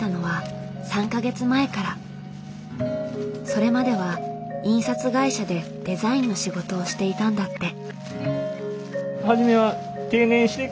それまでは印刷会社でデザインの仕事をしていたんだって。